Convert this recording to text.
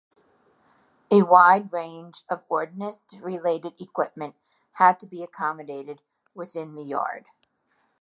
A wide range of ordnance-related equipment had to be accommodated within the Yard.